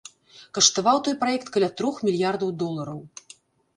Каштаваў той праект каля трох мільярдаў долараў.